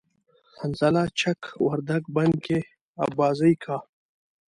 حنظله چک وردگ بند کی آبازی کا